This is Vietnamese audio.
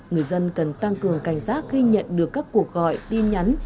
người dân cần tăng cường cảnh giác khi nhận được các cuộc gọi tin nhắn